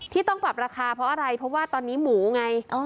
ที่ต้องปรับราคาเพราะอะไรเพราะว่าตอนนี้หมูไง